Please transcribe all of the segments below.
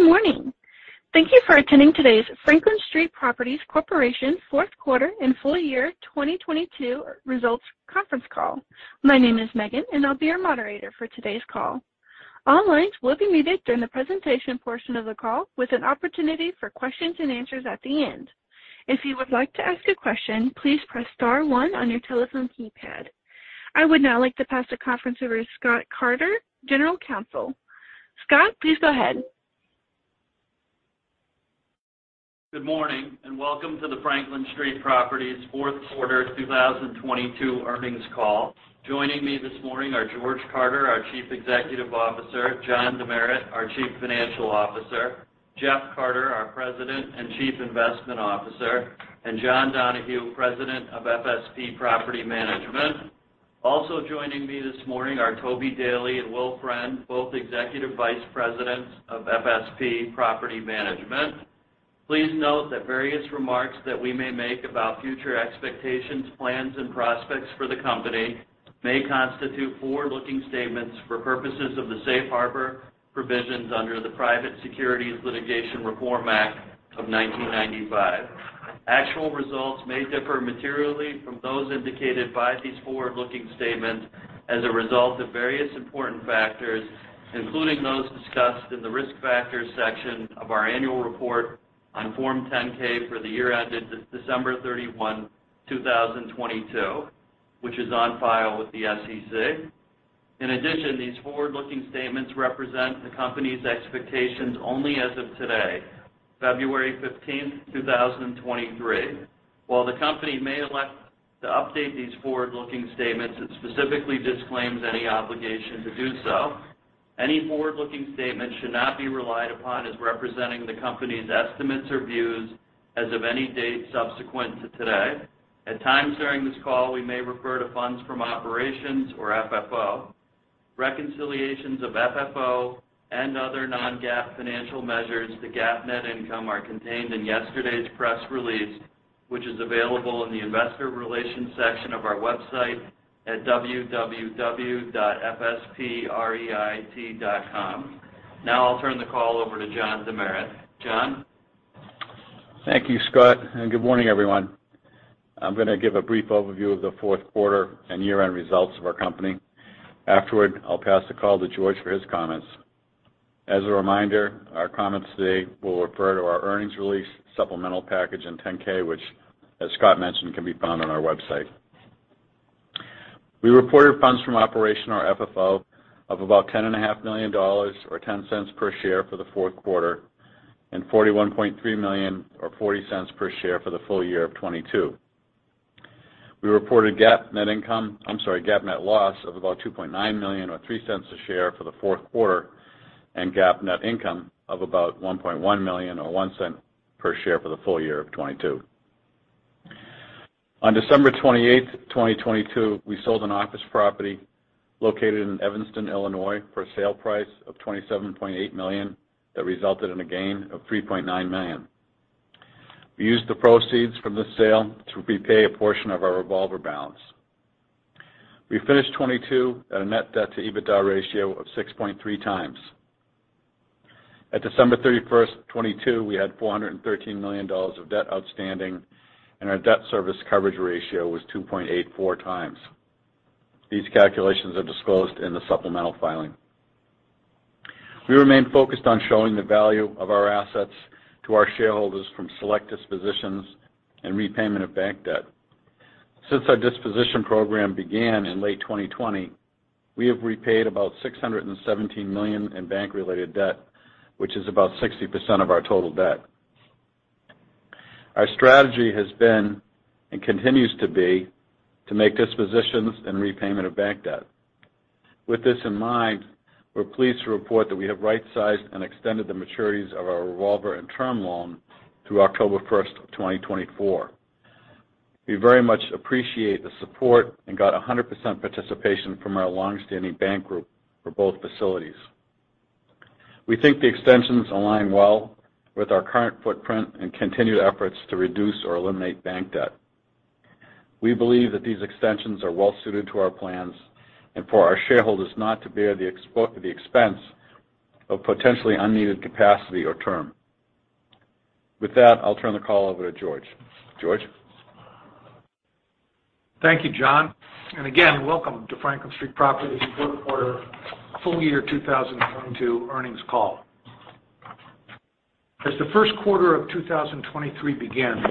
Good morning. Thank you for attending today's Franklin Street Properties Corp. fourth quarter and Full Year 2022 results conference call. My name is Megan. I'll be your moderator for today's call. All lines will be muted during the presentation portion of the call with an opportunity for questions and answers at the end. If you would like to ask a question, please press star one on your telephone keypad. I would now like to pass the conference over to Scott Carter, General Counsel. Scott, please go ahead. Good morning and welcome to the Franklin Street Properties fourth quarter 2022 earnings call. Joining me this morning are George Carter, our Chief Executive Officer, John DeMeritt, our Chief Financial Officer, Jeff Carter, our President and Chief Investment Officer, and John Donahue, President of FSP Property Management. Also joining me this morning are Toby Daley and Will Friend, both Executive Vice Presidents of FSP Property Management. Please note that various remarks that we may make about future expectations, plans and prospects for the company may constitute forward-looking statements for purposes of the safe harbor provisions under the Private Securities Litigation Reform Act of 1995. Actual results may differ materially from those indicated by these forward-looking statements as a result of various important factors, including those discussed in the Risk Factors section of our annual report on Form 10-K for the year ended December 31, 2022, which is on file with the SEC. In addition, these forward-looking statements represent the company's expectations only as of today, February 15, 2023. While the company may elect to update these forward-looking statements, it specifically disclaims any obligation to do so. Any forward-looking statements should not be relied upon as representing the company's estimates or views as of any date subsequent to today. At times during this call, we may refer to funds from operations or FFO. Reconciliations of FFO and other non-GAAP financial measures to GAAP net income are contained in yesterday's press release, which is available in the investor relations section of our website at www.fspreit.com. Now I'll turn the call over to John DeMeritt. John. Thank you, Scott. Good morning, everyone. I'm gonna give a brief overview of the fourth quarter and year-end results of our company. Afterward, I'll pass the call to George for his comments. As a reminder, our comments today will refer to our earnings release, supplemental package, and 10-K, which, as Scott mentioned, can be found on our website. We reported funds from operation or FFO of about ten and a half million dollars or $0.10 per share for the fourth quarter, and $41.3 million or $0.40 per share for the Full Year of 2022. We reported GAAP net loss of about $2.9 million or $0.03 a share for the fourth quarter, and GAAP net income of about $1.1 million or $0.01 per share for the Full Year of 2022. On December 28th, 2022, we sold an office property located in Evanston, Illinois, for a sale price of $27.8 million. That resulted in a gain of $3.9 million. We used the proceeds from the sale to repay a portion of our revolver balance. We finished 2022 at a net debt-to-EBITDA ratio of 6.3x. At December 31st, 2022, we had $413 million of debt outstanding, and our debt service coverage ratio was 2.84 x. These calculations are disclosed in the supplemental filing. We remain focused on showing the value of our assets to our shareholders from select dispositions and repayment of bank debt. Since our disposition program began in late 2020, we have repaid about $617 million in bank-related debt, which is about 60% of our total debt. Our strategy has been and continues to be to make dispositions and repayment of bank debt. With this in mind, we're pleased to report that we have right-sized and extended the maturities of our revolver and term loan through October first, 2024. We very much appreciate the support and got 100% participation from our long-standing bank group for both facilities. We think the extensions align well with our current footprint and continued efforts to reduce or eliminate bank debt. We believe that these extensions are well suited to our plans and for our shareholders not to bear the expense of potentially unneeded capacity or term. With that, I'll turn the call over to George. George. Thank you, John. Again, welcome to Franklin Street Properties fourth quarter Full Year 2022 earnings call. As the first quarter of 2023 begins,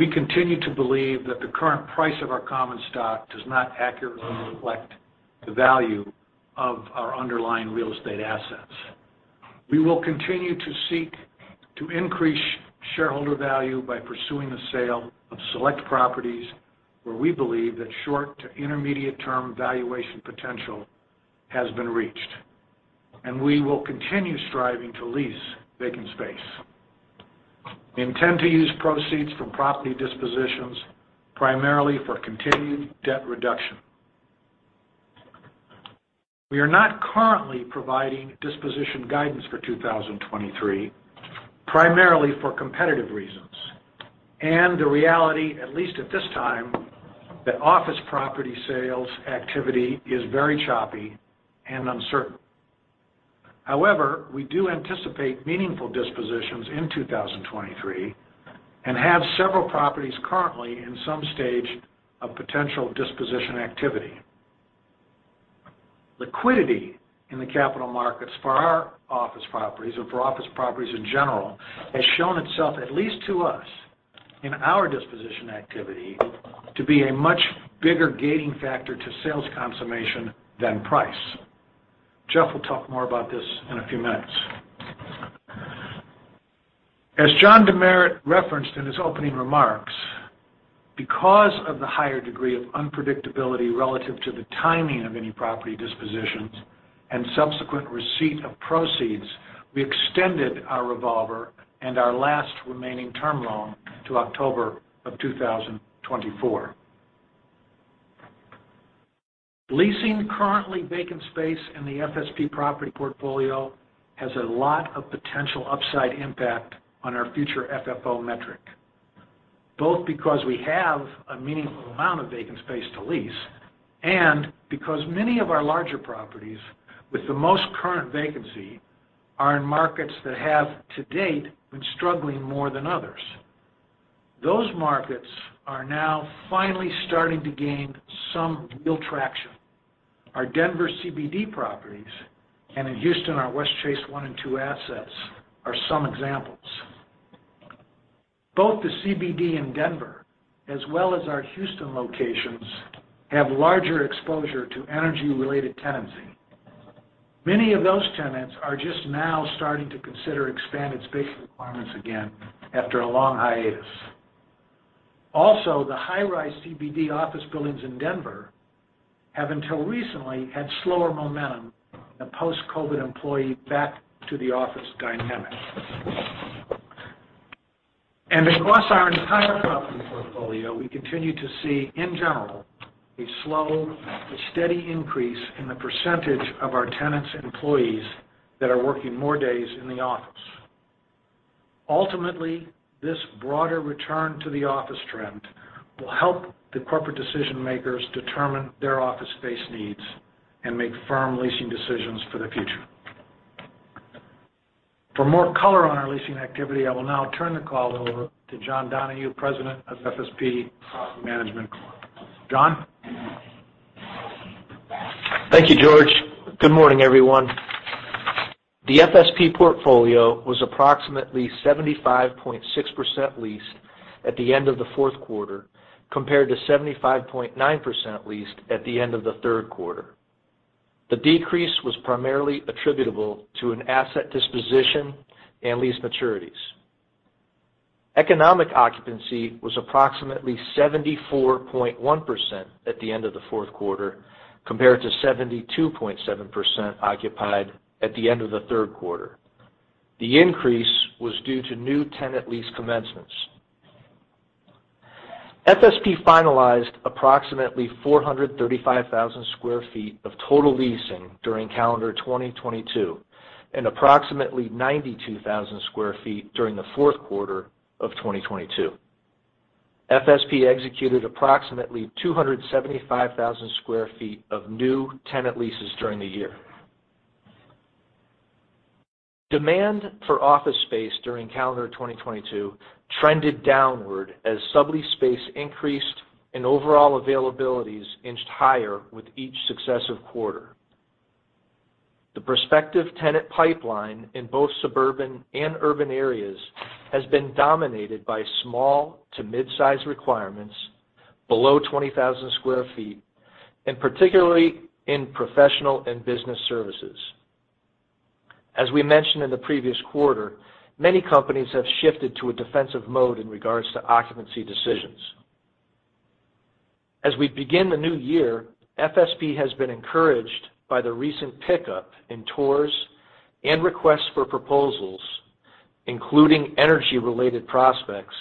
we continue to believe that the current price of our common stock does not accurately reflect the value of our underlying real estate assets. We will continue to seek to increase shareholder value by pursuing the sale of select properties where we believe that short to intermediate term valuation potential has been reached, and we will continue striving to lease vacant space. We intend to use proceeds from property dispositions primarily for continued debt reduction. We are not currently providing disposition guidance for 2023, primarily for competitive reasons. The reality, at least at this time, that office property sales activity is very choppy and uncertain. However, we do anticipate meaningful dispositions in 2023 and have several properties currently in some stage of potential disposition activity. Liquidity in the capital markets for our office properties or for office properties in general, has shown itself, at least to us in our disposition activity, to be a much bigger gating factor to sales consummation than price. Jeff will talk more about this in a few minutes. As John Demeritt referenced in his opening remarks, because of the higher degree of unpredictability relative to the timing of any property dispositions and subsequent receipt of proceeds, we extended our revolver and our last remaining term loan to October of 2024. Leasing currently vacant space in the FSP property portfolio has a lot of potential upside impact on our future FFO metric, both because we have a meaningful amount of vacant space to lease and because many of our larger properties with the most current vacancy are in markets that have to date been struggling more than others. Those markets are now finally starting to gain some real traction. Our Denver CBD properties and in Houston, our Westchase one and two assets are some examples. Both the CBD in Denver as well as our Houston locations have larger exposure to energy-related tenancy. Many of those tenants are just now starting to consider expanded space requirements again after a long hiatus. Also, the high-rise CBD office buildings in Denver have until recently had slower momentum than post-COVID employee back to the office dynamic. Across our entire property portfolio, we continue to see, in general, a slow but steady increase in the percentage of our tenants' employees that are working more days in the office. Ultimately, this broader return to the office trend will help the corporate decision-makers determine their office space needs and make firm leasing decisions for the future. For more color on our leasing activity, I will now turn the call over to John Donahue, President of FSP Property Management. John? Thank you, George. Good morning, everyone. The FSP portfolio was approximately 75.6% leased at the end of the fourth quarter compared to 75.9% leased at the end of the third quarter. The decrease was primarily attributable to an asset disposition and lease maturities. Economic occupancy was approximately 74.1% at the end of the fourth quarter, compared to 72.7% occupied at the end of the third quarter. The increase was due to new tenant lease commencements. FSP finalized approximately 435,000 sq ft of total leasing during calendar 2022 and approximately 92,000 sq ft during the fourth quarter of 2022. FSP executed approximately 275,000 sq ft of new tenant leases during the year. Demand for office space during calendar 2022 trended downward as sublease space increased and overall availabilities inched higher with each successive quarter. The prospective tenant pipeline in both suburban and urban areas has been dominated by small to mid-size requirements below 20,000 square feet, and particularly in professional and business services. As we mentioned in the previous quarter, many companies have shifted to a defensive mode in regards to occupancy decisions. As we begin the new year, FSP has been encouraged by the recent pickup in tours and requests for proposals, including energy-related prospects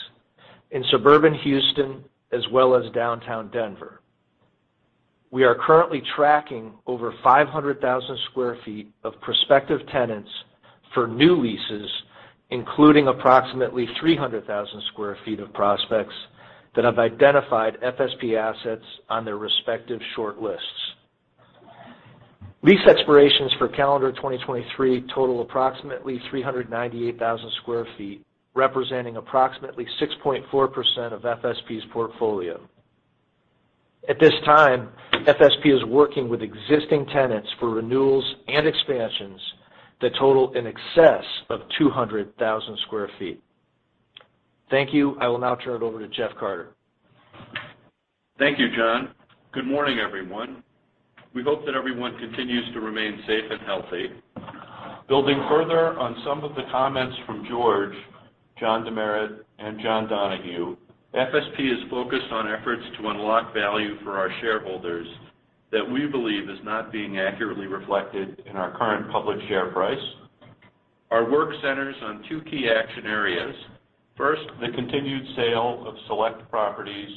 in suburban Houston as well as downtown Denver. We are currently tracking over 500,000 square feet of prospective tenants for new leases, including approximately 300,000 square feet of prospects that have identified FSP assets on their respective shortlists. Lease expirations for calendar 2023 total approximately 398,000 sq ft, representing approximately 6.4% of FSP's portfolio. At this time, FSP is working with existing tenants for renewals and expansions that total in excess of 200,000 sq ft. Thank you. I will now turn it over to Jeff Carter. Thank you, John. Good morning, everyone. We hope that everyone continues to remain safe and healthy. Building further on some of the comments from George, John DeMeritt, and John Donahue, FSP is focused on efforts to unlock value for our shareholders that we believe is not being accurately reflected in our current public share price. Our work centers on two key action areas. First, the continued sale of select properties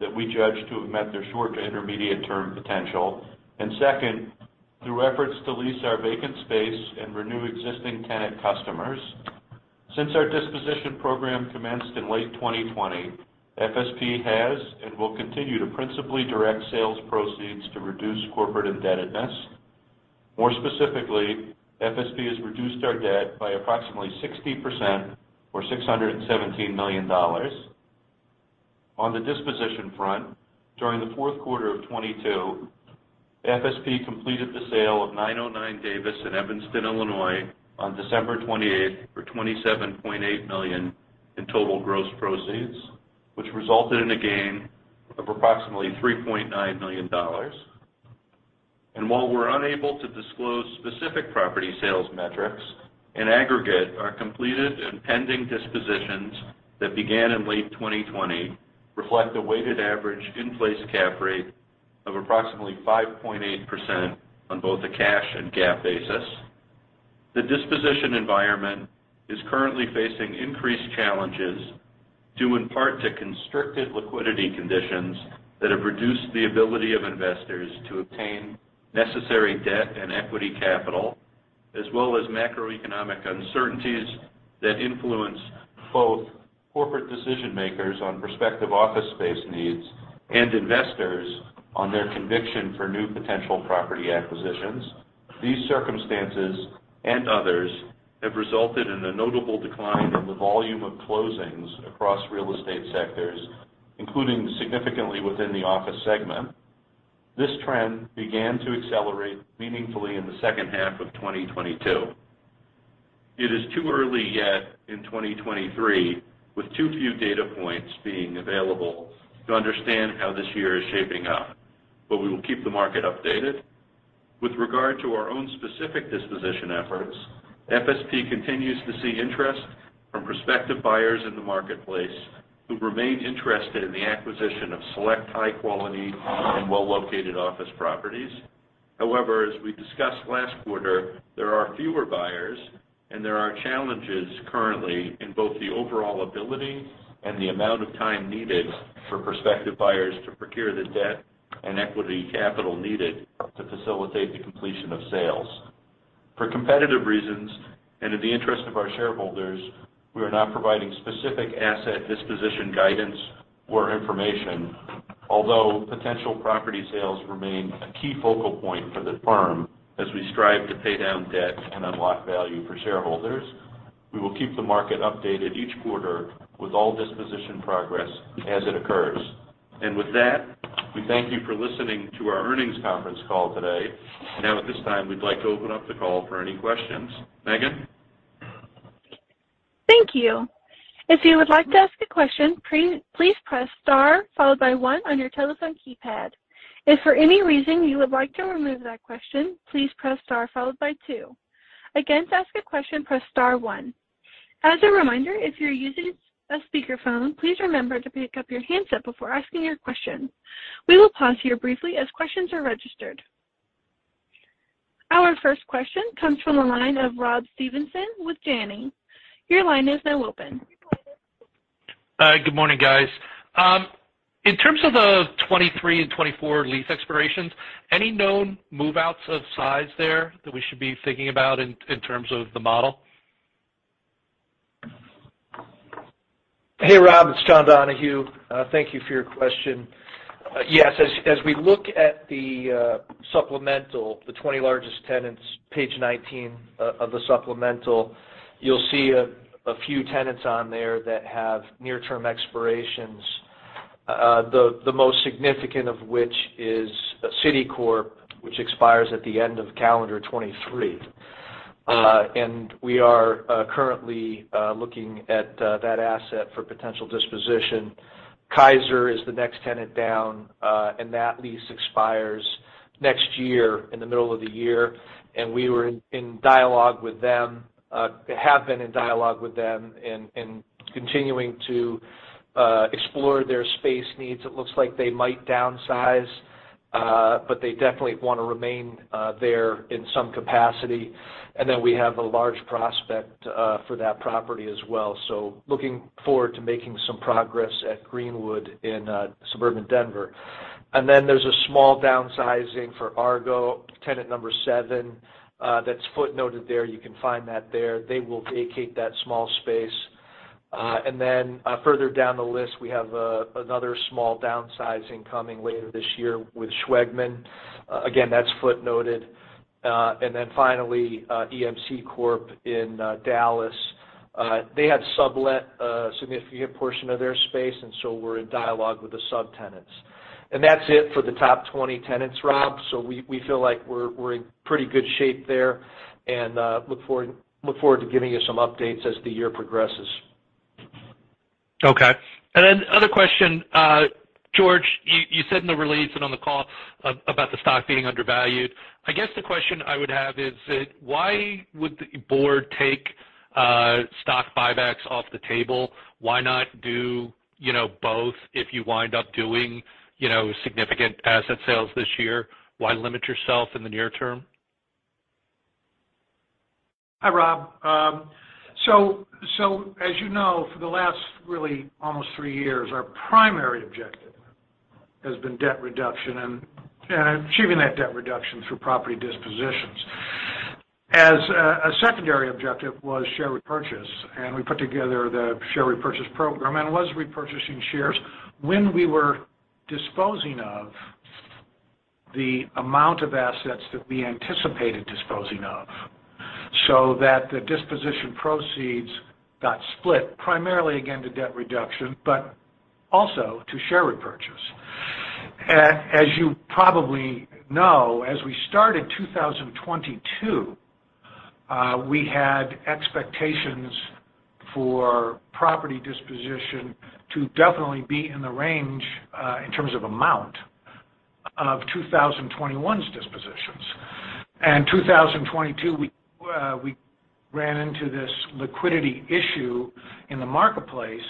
that we judge to have met their short to intermediate-term potential. Second, the Through efforts to lease our vacant space and renew existing tenant customers. Since our disposition program commenced in late 2020, FSP has and will continue to principally direct sales proceeds to reduce corporate indebtedness. More specifically, FSP has reduced our debt by approximately 60% or $617 million. On the disposition front, during the fourth quarter of 2022, FSP completed the sale of 909 Davis in Evanston, Illinois, on December 28th for $27.8 million in total gross proceeds, which resulted in a gain of approximately $3.9 million. While we're unable to disclose specific property sales metrics, in aggregate, our completed and pending dispositions that began in late 2020 reflect a weighted average in place cap rate of approximately 5.8% on both a cash and GAAP basis. The disposition environment is currently facing increased challenges due in part to constricted liquidity conditions that have reduced the ability of investors to obtain necessary debt and equity capital, as well as macroeconomic uncertainties that influence both corporate decision makers on prospective office space needs and investors on their conviction for new potential property acquisitions. These circumstances and others have resulted in a notable decline in the volume of closings across real estate sectors, including significantly within the office segment. This trend began to accelerate meaningfully in the second half of 2022. It is too early yet in 2023, with too few data points being available to understand how this year is shaping up, but we will keep the market updated. With regard to our own specific disposition efforts, FSP continues to see interest from prospective buyers in the marketplace who remain interested in the acquisition of select high quality and well-located office properties. However, as we discussed last quarter, there are fewer buyers, and there are challenges currently in both the overall ability and the amount of time needed for prospective buyers to procure the debt and equity capital needed to facilitate the completion of sales. For competitive reasons and in the interest of our shareholders, we are not providing specific asset disposition guidance or information, although potential property sales remain a key focal point for the firm as we strive to pay down debt and unlock value for shareholders. We will keep the market updated each quarter with all disposition progress as it occurs. With that, we thank you for listening to our earnings conference call today. Now, at this time, we'd like to open up the call for any questions. Megan. Thank you. If you would like to ask a question, please press star followed by one on your telephone keypad. If for any reason you would like to remove that question, please press star followed by two. To ask a question, press star one .As a reminder, if you're using a speakerphone, please remember to pick up your handset before asking your question. We will pause here briefly as questions are registered. Our first question comes from the line of Rob Stevenson with Janney. Your line is now open. Hi. Good morning, guys. In terms of the 2023 and 2024 lease expirations, any known move-outs of size there that we should be thinking about in terms of the model? Hey, Rob, it's John Donahue. Thank you for your question. Yes, as we look at the supplemental, the 20 largest tenants, page 19 of the supplemental, you'll see a few tenants on there that have near-term expirations. The most significant of which is Citicorp, which expires at the end of calendar 2023. We are currently looking at that asset for potential disposition. Kaiser is the next tenant down, and that lease expires next year in the middle of the year. We were in dialogue with them, have been in dialogue with them and continuing to explore their space needs. It looks like they might downsize, but they definitely wanna remain there in some capacity. Then we have a large prospect for that property as well. Looking forward to making some progress at Greenwood in suburban Denver. There's a small downsizing for Argo, tenant number seven that's footnoted there. You can find that there. They will vacate that small space. Further down the list, we have another small downsizing coming later this year with Schwegman. Again, that's footnoted. Finally, Dell EMC in Dallas. They had sublet a significant portion of their space, we're in dialogue with the subtenants. That's it for the top 20 tenants, Rob. We feel like we're in pretty good shape there and look forward to giving you some updates as the year progresses. Other question. George, you said in the release and on the call about the stock being undervalued. I guess the question I would have is that why would the board take stock buybacks off the table? Why not do, you know, both if you wind up doing, you know, significant asset sales this year? Why limit yourself in the near term? Hi, Rob. As you know, for the last really almost three years, our primary objective has been debt reduction and achieving that debt reduction through property dispositions. As a secondary objective was share repurchase, we put together the share repurchase program and was repurchasing shares when we were disposing of the amount of assets that we anticipated disposing of, the disposition proceeds got split primarily again to debt reduction, also to share repurchase. As you probably know, as we started 2022, we had expectations for property disposition to definitely be in the range in terms of amount of 2021's dispositions. 2022, we ran into this liquidity issue in the marketplace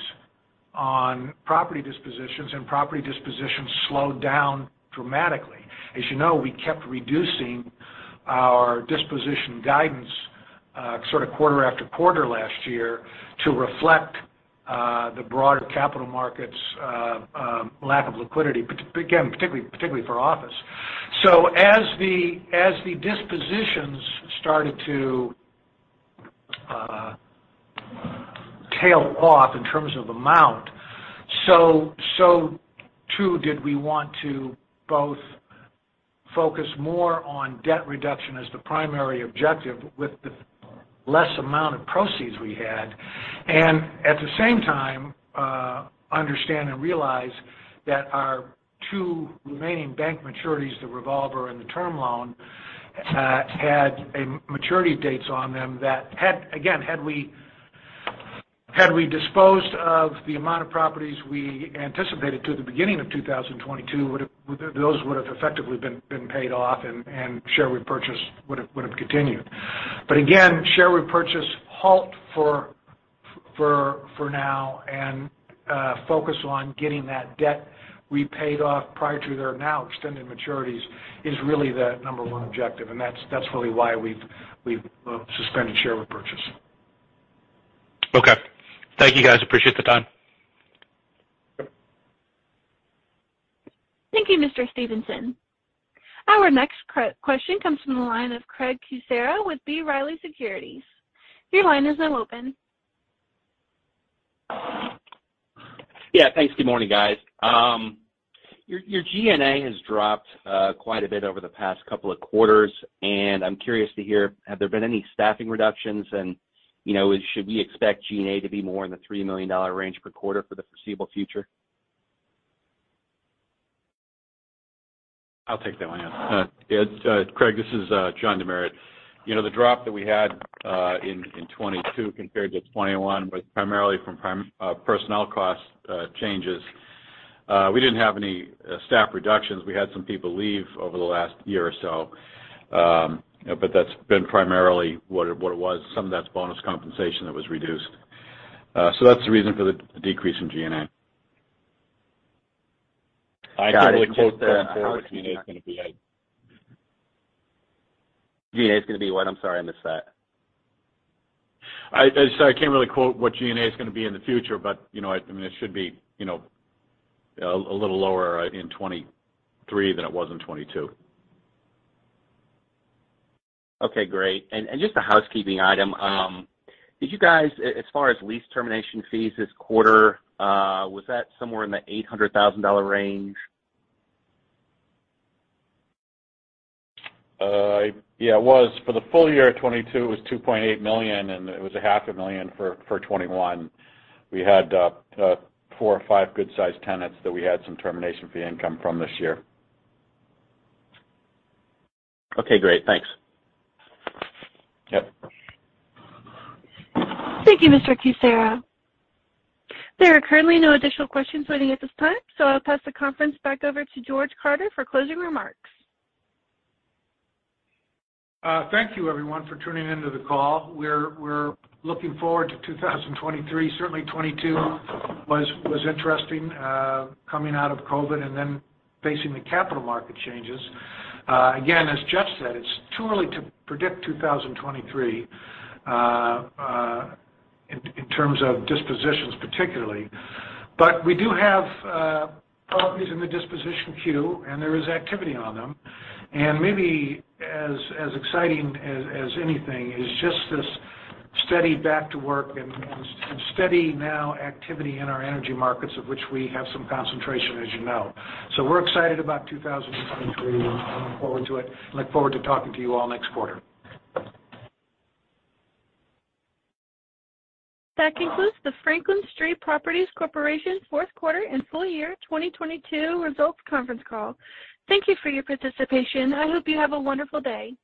on property dispositions, property dispositions slowed down dramatically. As you know, we kept reducing our disposition guidance, sort of quarter-after-quarter last year to reflect the broader capital markets lack of liquidity, but again, particularly for office. As the dispositions started to tail off in terms of amount, so too did we want to both focus more on debt reduction as the primary objective with the less amount of proceeds we had. At the same time, understand and realize that our two remaining bank maturities, the revolver and the term loan, had maturity dates on them that had. Again, had we disposed of the amount of properties we anticipated to the beginning of 2022, those would have effectively been paid off and share repurchase would have continued. Again, share repurchase halt for now and focus on getting that debt repaid off prior to their now extended maturities is really the number one objective. That's really why we've suspended share repurchase. Okay. Thank you, guys. Appreciate the time. Thank you, Mr. Stevenson. Our next question comes from the line of Craig Kucera with B. Riley Securities. Your line is now open. Yeah. Thanks. Good morning, guys. Your G&A has dropped quite a bit over the past couple of quarters, and I'm curious to hear, have there been any staffing reductions? You know, should we expect G&A to be more in the $3 million range per quarter for the foreseeable future? I'll take that one. Yeah. Craig, this is John DeMeritt. You know, the drop that we had in 2022 compared to 2021 was primarily from personnel cost changes. We didn't have any staff reductions. We had some people leave over the last year or so, but that's been primarily what it was. Some of that's bonus compensation that was reduced. That's the reason for the decrease in G&A. Got it. I can't really quote what G&A is gonna be like. G&A is gonna be what? I'm sorry, I missed that. I can't really quote what G&A is gonna be in the future, but, you know, I mean, it should be, you know, a little lower in 2023 than it was in 2022. Okay, great. Just a housekeeping item. As far as lease termination fees this quarter, was that somewhere in the $800,000 range? Yeah, it was. For the Full Year of 2022, it was $2.8 million, and it was a half a million for 2021. We had 4 or 5 good-sized tenants that we had some termination fee income from this year. Okay, great. Thanks. Yep. Thank you, Mr. Kucera. There are currently no additional questions waiting at this time, I'll pass the conference back over to George Carter for closing remarks. Thank you everyone for tuning in to the call. We're looking forward to 2023. Certainly 2022 was interesting, coming out of COVID and then facing the capital market changes. Again, as Jeff said, it's too early to predict 2023 in terms of dispositions particularly. We do have properties in the disposition queue, and there is activity on them. Maybe as exciting as anything is just this steady back to work and steady now activity in our energy markets of which we have some concentration, as you know. We're excited about 2023. We're looking forward to it. Look forward to talking to you all next quarter. That concludes the Franklin Street Properties Corp. fourth quarter and Full Year 2022 results conference call. Thank you for your participation. I hope you have a wonderful day.